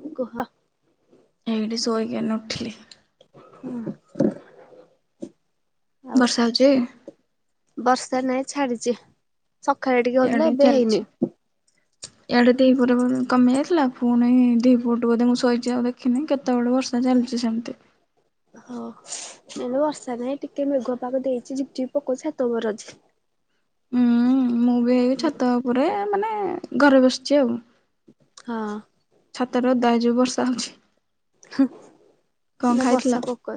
ଉଁ କୁହ? ଏଇଠି ସୋଇକି ଇନା ଉଠିଲି। ହୁଁ। ବର୍ଷା ହେଉଛି? ବର୍ଷା ନାଇଁ ଛାଡିଛି ସକାଳେ ଟିକେ ହଉଥିଲା ଏବେ ହେଇନି। ଇଆଡେ ତ ଏଇ ପୁରାପୁରି କମି ଯାଇଥିଲା ଫୁଣି ଦିପ ଟୁ ବୋଧେ ମୁଁ ସୋଇଛି ଆଉ ଦେଖିନି କେତ ତେବେଳୁ ବର୍ଷା ଚଲିଛି ସେମତି। ହଉ ବର୍ଷା ନାହିଁ ଟିକେ ମେଘୁଆ ପାଗ ଦେଇଛି ଝିପି ଝିପି ପକଉଛି ଛାତ ଉପରେ ଅଛି। ଉଁ [inaudible] ମୁଁ ବି ଏଇ ଛାତ ଉପରେ ମାନେ ଘରେ ବସିଛି ଆଉ। ହଁ। ଛାତର ଓଦା ହୋଇଯିବ ବର୍ଷା ହେଉଛି। ହୁଁ ବର୍ଷା ପୋକା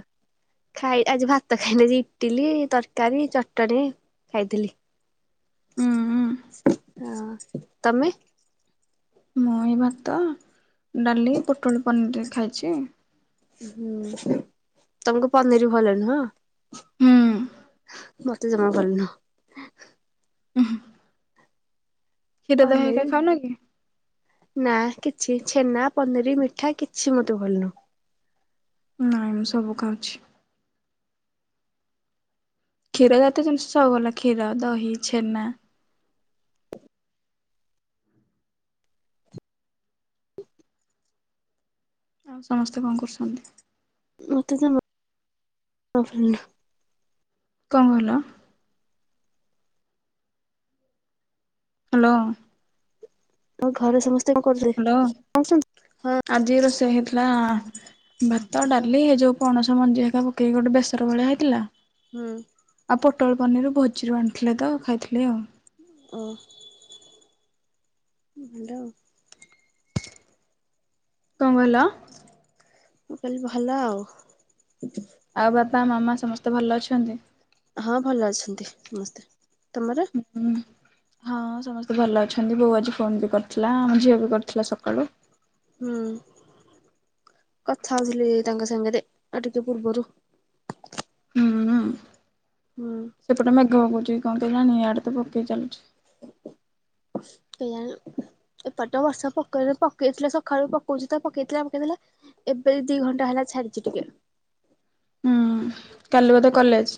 ଖାଇ ଆଜି ଭାତ ଖାଇନ କି? ଇଟିଲି, ତରକାରୀ, ଚଟଣିୀ ଖାଇଥିଲି। ଉଁ ହଁ ତମେ? ମୁଁ ଏଇ ଭାତ, ଡାଲି, ପୋଟଳ ପନିର ଖାଇଛି। ହୁଁ ତମକୁ ପନିର ଭଲ ନୁହଁ? ହୁଁ। ମତେ ଜମା ଭଲ ନୁହଁ। ହୁଁ କ୍ଷୀର ଦହି ପନିର ଏକା ଖାଉନ କି? ଛେ ଛେନା, ପନିରୀ, ମିଠା କିଛି ମତେ ଭଲ ନୁହଁ। ନାଇଁ ମୁଁ ସବୁ ଖାଉଛି। କ୍ଷୀର ଯାତୟ ଜିନିଷ ସବୁ ଭଲ କ୍ଷୀର, ଦହି, ଛେନା। ଆଉ ସମସ୍ତେ କଣ କରୁଛନ୍ତି? ମତେ ତମ। [unintelligible] କଣ କହିଲ? ହାଲୋ। ତ ଘରେ ସମସ୍ତେ କଣ [unintelligible] ହଁ। ସେ ହେଇଥିଲା ଭାତ ହଁ। ଡାଲି ଏ ଯୋଉ ପଣସ ମଞ୍ଜି ହେକା ପକେଇକି ଗୋଟେ ବେସର ଭଳିଆ ହେଇଥିଲା। ହୁଁ। ଆଉ ପୋଟଳ ପନିର ଭୋଜିରୁ ଆଣିଥିଲେ ତ ଖାଇଥିଲି ଆଉ। ଓ ଭଲ ଆଉ। କଣ କହିଲ? ମୁଁ କହିଲି ଭଲ ଆଉ। ଆଉ ବାପା ମାମା ସମସ୍ତେ ଭଲ ଅଛନ୍ତି? ହଁ ଭଲ ଅଛନ୍ତି ସମସ୍ତେ। ତମର ହୁଁ। ହଁ ହଁ ସମସ୍ତେ ଭଲ ଅଛନ୍ତି ବୋଉ ଆଜି ଫୋନ୍ ବି କରିଥିଲା ଆମ ଝିଅ ବି କରିଥିଲା ସକାଳୁ। ହୁଁ। କଥା ହଉଥିଲି ତାଙ୍କ ସାଙ୍ଗ ରେ ଅଉ ଟିକେ ପୂର୍ବରୁ। ହୁଁ। ହୁଁ। ଘ ହଉଚି କଁ କେଜାଣି ଇଆଡ଼େ ତ ପକେଇ ଚାଲୁଚି। କେଜାଣି। ଏପଟେ ବର୍ଷା ପକେଇ ପକେଇଥିଲା ସକାଳୁ ପକଉଛି ତ ପକେଇଥିଲା ପକେଇଥିଲା ଏବେ ଦି ଘଣ୍ଟା ହେଲା। ଛାଡ଼ିଚି ଟିକେ। ଉଁ କାଲି ବୋଧେ କଲେଜ?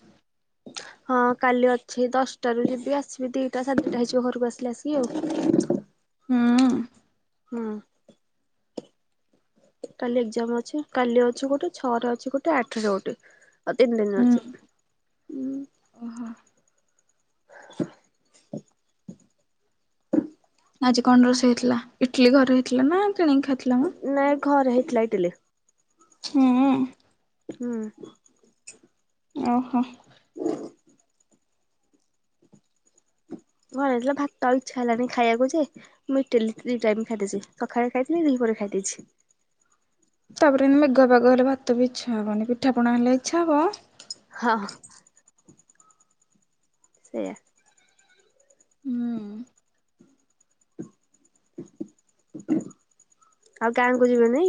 ହଁ କାଲି ଅଛି ଦଶଟାରୁ ଯିବି ଆସିବି ଦିଟା ସାଢେ ଦିଟା ହେଇଯିବ ଘରକୁ ଆସିଲେ ଆସିବି ଆଉ। ହୁଁ ହୁଁ। କାଲି ଏକ୍ଜାମ ଅଛି କାଲି ଅଛି ଗୋଟେ ଛଅରେ ଅଛି ଗୋଟେ ଆଠରେ ଗୋଟେ। ଆଉ ତିନି ଦିନ ହୁଁ। ଅଛି ଉଁ। ଓହୋ [inaudible] ଆଜି କଣ ରୋଷେଇ ହେଇଥିଲା ଇଟିଲି ଘରେ ହେଇଥିଲା ନା କିଣିକି ଖାଇଥିଲା ମ? ଥିଲା ଇଟିଲି? ହୁଁ। ହୁଁ। ଓହୋ। ହୁଁ। ଘର ହେଇଥିଲା ଭାତ ଆଉ ଇଚ୍ଛା ହେଲାନି ଖାଇବାକୁ ଯେ ମୁଁ ଇଟିଲି ଦି ଟାଇମ ଖାଇଦେଇଛି ସକାଳେ ଖାଇଥିଲି। ଦି ପହ ପରେ ଖାଇ ଦେଇଛି। ତାପରେ ଏମିତି ମେଘୁଆ ପାଗ ହେଲେ ଭାତ ବି ଇଛା ହବନି। ପିଠା ପଣା ହେଲେ ଇଚ୍ଛା ହବ। ହଁ। ସେୟା। ହୁଁ ଆଉ ଗାଁ କୁ ଯିବେ ନି?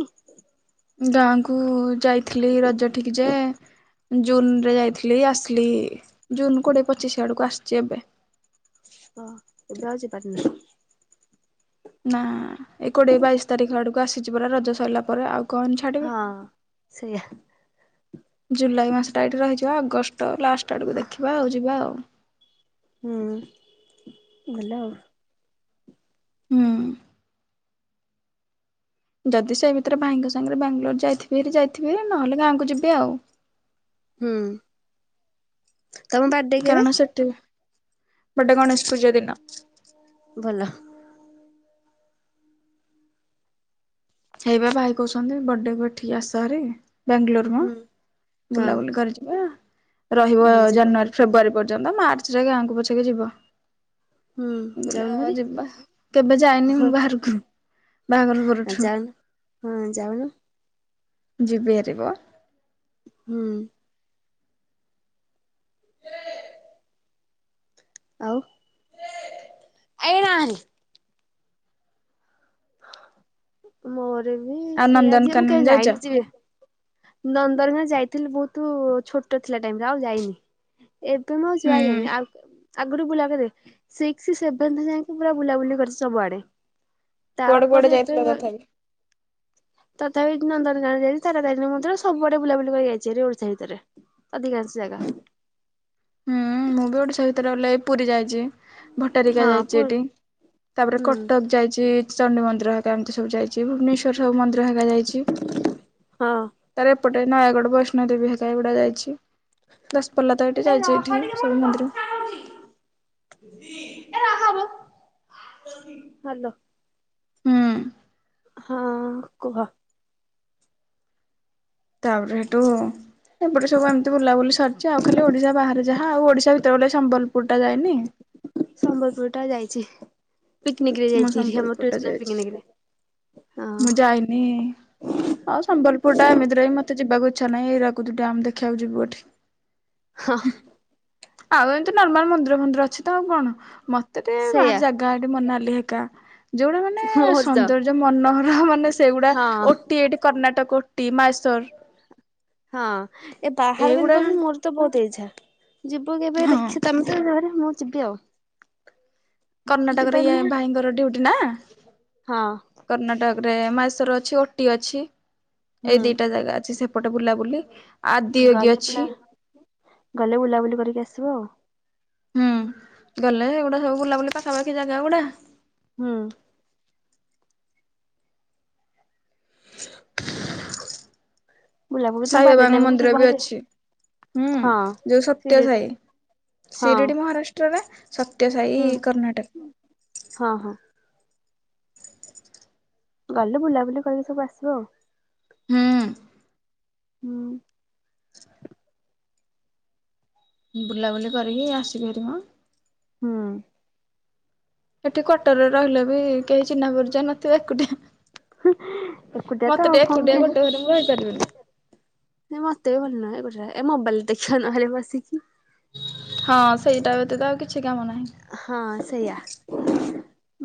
ଗାଁ କୁ ଯାଇଥିଲି ରଜ ଠିକ ଯେ ଜୁନରେ ଯାଇଥିଲି। ଆସଲ ଲି ଜୁନ କୋଡିଏ ପଚିଶ ଆଡକୁ ଆସିଛି ଏବେ। ତ ଏବେ ଆଉ ଯିବାର ନାହିଁ। ନା ଏ କୋଡିଏ ବାଇଶି ତାରିଖ ଆଡକୁ ଆସିଛି ପରା ରଜ ସରିଲା ପରେ। ଆଉ କଣ ଛାଡ଼ିବେ ହଁ ସେଇୟା। ଜୁଲାଇ ମାସଟା ଏଇଠି ରହିଯିବା ଅଗଷ୍ଟ ଲାଷ୍ଟ ଆଡକୁ ଦେଖିବା ଆଉ ଯିବା ଆଉ। ହୁଁ ଭଲ ଆଉ। ହୁଁ। ଯଦି ସେଇ ଭିତରେ ଭାଇଙ୍କ ସାଙ୍ଗରେ ବାଙ୍ଗଲୋର ଯାଇଥିବି ଭାରି ଯାଇଥିବି ନହେଲେ ଗାଁକୁ ଯିବି ଆଉ। ହୁଁ ତମ ବାଡେ କେବେ? ବଡେ ଗଣେଶ ପୂଜା ଦିନ। ଭଲ ହେଇ ପା ଭାଇ କହୁଚନ୍ତି ବଡେ କୁ ଏଠିକି ଆସ ଭାରି। ବ୍ୟାଙ୍ଗଲୋର ମ ହୁଁ ହଁ ବୁଲାବୁଲି କରି ଯିବା। ରହିବ ହଁ ଯିବ ଜାନୁଆରୀ ଫେବୃୟାରୀ ପର୍ଯ୍ୟନ୍ତ ମାର୍ଚ୍ଚରେ ଗାଁକୁ ପଛେକେ ଯିବ। ହୁଁ ଯାଉନ ଭାରି କେବେ ଯାଇନି ହଁ ମୁଁ ବାହାରକୁ। ବାହାଘର ପରଠୁ। ଯାଉନ। ହଁ ଯାଉନୁ। ଯିବି ହାରି ବ। ହୁଁ। ଆଉ। ମୋର ବି ଆଉ ସେଇଆ ଯେ। ମୁଁ ନନ୍ଦନକାନନ କେବେ ଯାଇଛ? ଯାଇନି ଯେ। ନନ୍ଦନକାନନ ଯାଇଥିଲି ବହୁତ ଛୋଟ ଥିଲା ଟାଇମରେ ଆଉ ଯାଇନି। ଏବେ ମୁଁ ଯୁଆ ହୁଁ ଯାଇନି। ଆଉ ଆଗରୁ ବୁଲା କରେ ସିକ୍ସ ସେଭେନ୍ଥେ ଯାଏଁ ପୁରା ବୁଲାବୁଲି କରିଚି ସବୁଆଡେ। ତା କୁଆଡେ କୁଆଡେ ପରେ ଏବେ ଯାଇଥିଲ ତଥାପି? ତ ତଥାପି ନନ୍ଦନକାନନ ଯାଇଛି ତାରା ତାରିଣୀ ମନ୍ଦିର ସବୁଆଡେ ବୁଲାବୁଲି କରି ଯାଇଚି ଭାରି ଓଡିଶା ଭିତରେ ଅଧିକାଂଶ ଜାଗା। ହୁଁ ମୁଁ ବି ଓଡ଼ିଶା ଭିତର ଗଲେ ପୁରୀ ଯାଇଚି। ଭଟାରିକା ହଁ ପୁ ଯାଇଚି ଏଠି। ତା ପରେ ହୁଁ କଟକ ଯାଇଚି ଚଣ୍ଡୀ ମନ୍ଦିର ହେକା ଏମିତି ସବୁ ଯାଇ ଭୁବନେଶ୍ଵର ସବୁ ମନ୍ଦିର ହେରିକା ଯାଇଛି ହଁ ତାରେ ଏପଟେ ନୟାଗଡ଼ ବୈଷ୍ଣୋ ଦେବୀ ହେକା ଏଗୁଡା ଯାଇଛି ଦଶପଲ୍ଲା ତ ଏଇଠି ଏ ଯାଇଛି ରହ ଏଇଠି। ଟିକେ ମୁଁ ସବୁ ଗୋଟେ ମନ୍ଦିର। କଥା ହଉଛି ହାଲୋ। ହୁଁ। ହଁ କୁହ। ତାପରେ ହେଠୁ ଏପଟେ ସବୁ ଏମିତି ବୁଲାବୁଲି ସରିଛି ଆଉ ଖାଲି ଓଡିଶା ବାହାରେ ଯାହା ହଁ ଆଉ ଓଡିଶା ଭିତରେ ଗଲେ ସମ୍ବଲପୁରଟା ଯାଇନି। ସମ୍ବଲପୁରଟା ଯାଇଛି ପିକନିକରେ ମୁଁ ଯାଇଛି ଭାରି ଆମ ସମ୍ବଲପୁର ଟା ଟୁଇସନ୍ ଯାଇଛି ପିକନିକରେ। ମୁଁ ଯାଇନି ଆଉ ସମ୍ବଲପୁରଟା ଏମିତିରେ ବି ମତେ ଏତେ ଯିବାକୁ ଇଚ୍ଛା ନାହିଁ ହୀରାକୁଦ ଡ୍ୟାମ ଦେଖିବାକୁ ଯିବୁ ଏଠି। ହଁ। ଆଉ ଏମିତି ନର୍ମାଲ ମନ୍ଦିର ଫନ୍ଦିର ଅଛି ତ ଆଉ କଣ ମତେ ଟିକେ ସେଇଆ ବାହାର ଜାଗା ଏଠି ମନାଲି [unintelligible] ଯୋଉରା ମାନେ ମୋର ତ ସୌନ୍ଦର୍ଯ୍ୟ ମନୋହର ମାନେ ସେଗୁଡା ହଁ ଓଟି ଏଠି କର୍ଣ୍ଣାଟକ ଓ ଟି ମାଇସୋର। ହଁ ଏ ବାହାରକୁ ଏଇଗୁଡା ଯିବାକୁ ମୋର ତ ବହୁତ ଇଚ୍ଛା। ଯିବୁ କେବେ ହଁ ଦେଖି ତମେ ତ ଯିବହେରି ମୁଁ ଯିବି ଆଉ। ତମେ କର୍ଣ୍ଣାଟକ ରେ ଯିବାର ଇଏ ନାହିଁ ଭାଇଙ୍କର ଡ଼୍ୟୁଟି ନା? ହଁ। ରେ ମୈଶୋର ଅଛି ଓଟି ଅଛି। ଏଇ ହୁଁ ଦିଟା ଜାଗା ଅଛି ସେପଟେ ବୁଲାବୁଲି ଆଦିୟୋଗୀ ଗଲେ ପିଲା ଅଛି ଗଲେ ବୁଲାବୁଲି କରିକି ଆସିବ ଆଉ। ହୁଁ ଗଲେ ଏଗୁଡ଼ା ସବୁ ବୁଲାବୁଲି ପାଖାପାଖି ଜାଗା ଗୁଡ଼ା ହୁଁ। ବୁଲାବୁଲି ତମ ସାଇ ବାର୍ଥଡେ ବାବାଙ୍କ ଟାଇମକୁ ଯିବ ମନ୍ଦିର ବି ଭାରି ଅଛି ହୁଁ ହଁ ଯୋଉ ସତ୍ୟ ଶିରିଡି ସାଇ ହଁ ସିରିଡ଼ି ମହାରାଷ୍ଟ୍ରରେ ସତ୍ୟସାଇ ହୁଁ କର୍ଣାଟକ। ହଁ ହଁ ଗଲେ ବୁଲାବୁଲି କରିକି ସବୁ ଆସିବ ଆଉ। ହୁଁ। ହୁଁ, ବୁଲାବୁଲି କରିକି ଆସି ପାରିବ। ହୁଁ। ସେଠି କ୍ଵାଟରରେ ରହିଲେ ବି କେହି ଚିହ୍ନା ପରିଚୟ ନଥିବେ। ଏକୁଟିଆ ଏକୁଟିଆ ମତେ ଆଉ ତ କଣ ଏକୁଟିଆ ଗୋଟେ ଟିକେ ଘରେ ମୁଁ ରହିପାରିବିନି। ମତେ ବି ଭଲ ନାଗେ ଏ ଗୋଟେ ଘରେ ଏ ମୋବାଇଲ ଦେଖା ନହେଲେ ବସିକି ହଁ ସେଇଟା ବ୍ୟତୀତ ଆଉ କିଛି କାମ ନାହିଁ ହଁ ସେଇଆ।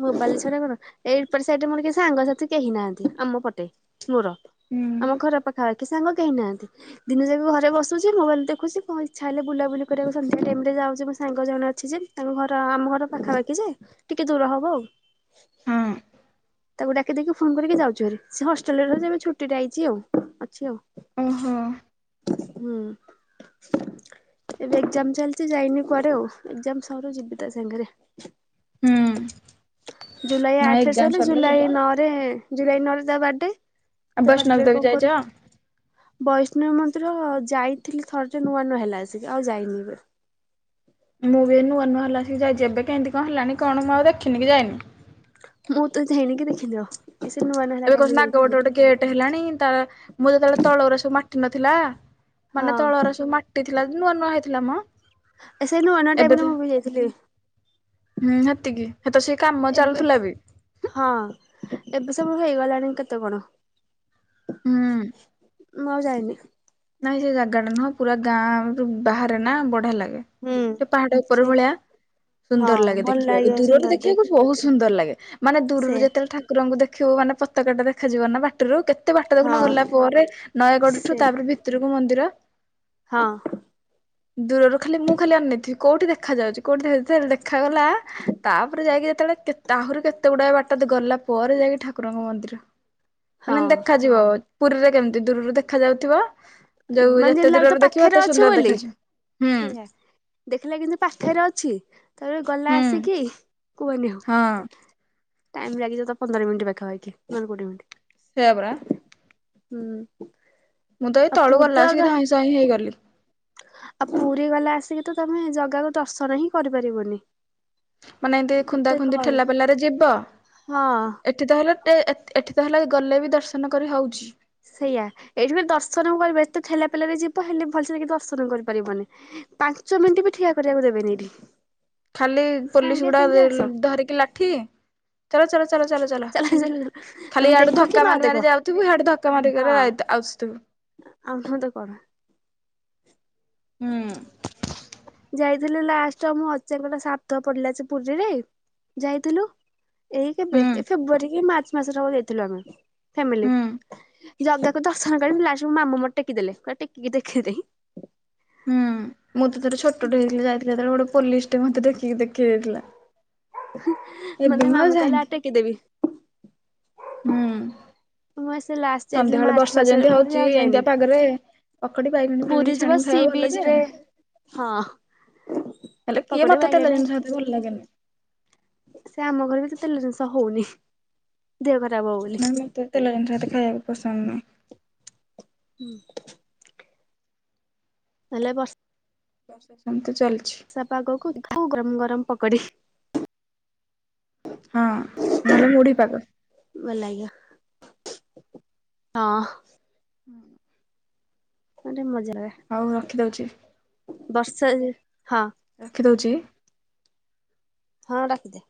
ମୋବାଇଲ ଛଡ଼ା କଣ ଏଇପଟେ ସାଇଡ଼ରେ ମୋର କି ସାଙ୍ଗସାଥି କେହି ନାହାନ୍ତି ଆମ ପଟେ। ମୋର, ହୁଁ ଆମ ଘର ପାଖାପାଖି ସାଙ୍ଗ କେହିଁ ନାହାନ୍ତି ଦିନ ଯାକ ଘରେ ବସୁଛି ମୋବାଇଲ ଦେଖୁଚି ପୁଣି ଇଚ୍ଛା ହେଲେ ବୁଲାବୁଲି କରିବାକୁ ସନ୍ଧ୍ୟା ଟାଇମ୍ ରେ ଯାଉଛି ସାଙ୍ଗ ଜଣେ ଅଛି ଯେ ତାଙ୍କ ଘର ଆମ ଘର ପାଖାପାଖି ଯେ ଟିକେ ଦୂର ହବ ଆଉ। ହଁ। ତାକୁ ଡ଼ାକି ଦେଇକି ଫୁନ କରିକି ଯାଉଛୁହେରି ସେ ହଷ୍ଟେଲରେ ରହୁଛି ଏବେ ଛୁଟିରେ ଆଇଛି ଆଉ ଅଛି ଆଉ। ଓହୋ। ହୁଁ। ଏବେ ଏକ୍ଜାମ ଚାଲିଛି ଯାଇନି କୁଆଡ଼େ ଆଉ ଏଜାମ ସରୁ ଯିବି ତା ସାଙ୍ଗରେ। ହୁଁ ଜୁଲାଇ ନାଇ ଆଠରେ ଏକଜା ସରିଲେ ଜୁଲାଇ ନଅରେ ଜୁଲାଇ ନଅରେ ତା ବାର୍ଥଡ଼େ। ଆଉ ତ ବାର୍ଥ ବୈଷ୍ଣବ ଡେ ଦେବୀ କଣ ଯାଇଛ? କରବ ବୈଷ୍ଣ ମ ନ୍ଦିର ଯାଇଥିଲି ଥରଟେ ଯେ ନୂଆ ନୂଆ ହେଲା ଆସିକି ଆଉ ଯାଇନି ଏ ମୁଁ ବି ନୂଆ ନୂଆ ହେଲା ସେଇ ଯାଇଛି। ଏବେ କେମିତି କଣ ହେଲାଣି କଣ ମୁଁ ଆଉ ଦେଖିନି କି ଯାଇନି। ମୁଁ ତ ଯାଇନି କିି ଦେଖିବି [unintelligible] ଏବେ କହୁଛନ୍ତି ଆଗ ଗୋଟେ ଗୋଟେ ଗେଟ ହେଲାଣି, ତା ମୁଁ ଯେତେବେଳେ ତଳରେ ସବୁ ମାଟି ନଥିଲା। ମାନେ ହଁ ତଳର ସବୁ ମାଟି ଥିଲା, ନୂଆ ନୂଆ ହେଇଥିଲା ମ। ଆ ସେଇନୁ ଅନ୍ୟ ଏବେ ତ ଟାଇମରେ ମୁଁ ବି ଯାଇଥିଲି। ହୁଁ ସେତିକି ହେତ ସେ କାମ ଏବେ ଚାଲୁଥିଲା ବି। ହେତେବେଳକୁ ହେଇଗଲାଣି କେତେ କଣ? ହୁଁ। ମୁଁ ଆଉ ଯାଇନି? ନାଇଁ ସେ ଜାଗାଟା ନୁହଁ, ପୁରା ଗାଁରୁ ବାହାରେ ନା ବଢ଼ିଆ ଲାଗେ। ହୁଁ ତ ପାହାଡ଼ ଏକର ସେ ଭଳିଆ। ହଁ ସୁନ୍ଦର ଲାଗେ ଭଲ ଦେଖିବାକୁ, ଲାଗିବ ଦୂରରୁ ସୁନ୍ଦର ଦେ ଦେଖିବାକୁ ବହୁତ ସୁନ୍ଦର ଲାଗେ। ମାନେ ସେ ଦୂରରୁ ଯେତେବେଳେ, ଠାକୁରଙ୍କୁ ଦେଖିବୁ ମାନେ ପତାକା ଟା ଦେଖାଯିବ ନା ବାଟରୁ କେତେ କେତେ ବାଟ ଦେଖୁନ ହଁ ଗଲା ପରେ, ନୟାଗଡ଼ଠୁ ସେ ତାପରେ ଭିତରକୁ ମନ୍ଦିର। ହଁ। ଦୂରରୁ ଖାଲି ମୁଁ ଖାଲି ଅନେଇଥିବି, କୋଉଠି ଦେଖାଯାଉଛି କୋଉଠି ଦେଖା ଯେତେବେଳେ ଦେଖାଗଲା, ତାପରେ ଯାଇକି କେତେବେଳେ ଆହୁରି କେତେ ଗୁଡାଏ ବାଟ ଗଲା ପରେ ଯାଇକି ଠାକୁରଙ୍କ ମନ୍ଦିର। ହଁ ମାନେ ଦେଖାଯିବ, ପୁରୀରେ କେମିତି ଦୂରରୁ ଦେଖାଯାଉଥିବ। ମାନେ ଯେମିତି ଲାଗୁଥିବ ପାଖରେ ଅଛି ସୁନ୍ଦର ବୋଲି। ଦେଖାଯିବ ହୁଁ ସେଇଆ ଦେଖିଲା କିନ୍ତୁ ପାଖରେ ଅଛି, ତାପରେ ଗଲା ହୁଁ ଆସିକି କୁହନି ଆଉ ହଁ। ଟାଇମ ଲାଗିଯାଉ ଥିବ ପନ୍ଦର ମିନିଟ ପାଖାପାଖି, ନେହେଲେ କୋଡ଼ିଏ ମିନିଟ୍। ସେଇଆ ପରା। ହୁଁ। ମୁଁ ତ ଏଇ ଆଉ ତଳୁ ପୁରୀ ତ ଗଲା ଆସିକି ଧଇଁ ସଇଁ ହେଇଗଲି। ଆଉ ପୁରୀ ଗଲା ଆସିକି ତ ତମେ ଜଗାକୁ ଦର୍ଶନ ହିଁ କରିପାରିବନି। ମାନେ ଏମିତି ଖୁନ୍ଦା ଏତେ ଖୁନ୍ଦି ଗହଳି ଠେଲା ପେଲାରେ ଯିବ, ହଁ ଏଠି ତ ହେଲେ ଏଠି ତାହେଲେ ଗଲେ ବି ଦର୍ଶନ କରି ହଉଛି। ସେଇଆ ଏଇଠି ବି ଦର୍ଶନ କରିବ। ଏଠି ତ ଠେଲା ପେଲାରେ ଯିବ, ହେଲେ ଭଲସେ କି ଦର୍ଶନ କରିପାରିବନି। ପାଞ୍ଚ ମିନିଟ ବି ଠିଆ କରିବାକୁ ଦେବେନି ଏଠି। ଖାଲି ପୋଲିସ ସାଙ୍ଗେ ଗୁଡା ସାଙ୍ଗେ ଆସ। ଧରିକି ଲାଠି, ଚାଲ ଚାଲ ଚାଲ ଚାଲ ଚାଲ ଖାଲି ତମେ ଦେଖ ଇଆଡୁ କି ଧକ୍କା ନ ମାରି ଦେଖ ମାରି ଯାଉଥିବୁ, ହାଡୁ ଧକ୍କା ମାରି ହଁ ମାରି ଆଇ ଆସୁଥିବୁ। ଆଉ ନୁହେଁ ତ କଣ। ହୁଁ। ଯାଇଥିଲୁ, ଲାଷ୍ଟରେ ମୋ ଅଜାଙ୍କର ଶ୍ରାଦ୍ଧ ପଡିଲା ଯେ ପୁରୀରେ ଯାଇଥିଲୁ ଏଇ କେବେ, ହୁଁ ଏଇ ଫେବୃଆାରୀ କି ମାର୍ଚ୍ଚ ମାସରେ ହବ ଯାଇଥିଲୁ ଆମେ ଫ୍ୟାମିଲି। ହୁଁ। ଜଗାକୁ ଦର୍ଶନ କରି, ଲାଷ୍ଟକୁ ମାମୁଁ ମତେ ଟେକି ଦେଲେ କହିଲେ ଟେକିକି ଦେଖେଇ ଦେ। ହୁଁ ମୁଁ ତ ଥରେ ଛୋଟଟେ ହେଇଥିଲି, ଯାଇଥିଲି ଯେତେବେଳେ ଗୋଟେ ପୋଲିସଟେ ମତେ ଟେକିକି ଦେଖେଇ ଦେଇଥିଲା। ଏବେ ମତେ ମୁଁ ଆଉ ମାମୁଁ କହିଲେ ଆ ଯାଇନି। ଟେକି ଦେବି। ହୁଁ। ସେ ଲାଷ୍ଟ ଯାଇଥିଲି, ସନ୍ଧ୍ୟାବେଳେ ମାର୍ଚ୍ଚ ବର୍ଷା ମାସରେ ଯେମିତି ପୁରୀ ହଉଛି ଆଉ ଏମିତିଆ ପାଗରେ ପକୋଡି ବାଇଗଣୀ ଯାଇନେଇ। ଫାଇଗଣୀ ପୁରୀ ଯିବା ଛାଣିକି ସି ଖାଇବା ଭଲ ଯେ ବିଚରେ ହଁ ହେଲେ କିଏ ପକୋଡି ମତେ, ତେଲ ବାଇଗେନେ ଜିନିଷ ଏତେ ଭଲ ଲାଗେନି। ସେ ଆମ ଘରେ ବି ତ ତେଲ ଜିନିଷ ହଉନି, ଦେହ ଖ ନାଇଁ ମତେ ତେଲ ଜିନିଷ ଏତେ ଖାଇବାକୁ ପସନ୍ଦ ନୁହଁ। ହୁଁ। ହେଲେ ବ ସେମିତି ଚାଲ ବର୍ଷା ପାଗକୁ ଗରମ ଗରମ ପକୋଡି। ହଁ ନହେଲେ ମୁଢ଼ି ପାଗ। ଭଲ ଲାଗିବ ହଁ। ହୁଁ। ଭାରି ମଜା ଲାଗେ ହଉ ରଖିଦଉଛି। ବର୍ଷା ଯେ ହଁ। ରଖିଦଉଛି? ହଁ ରଖିଦେ।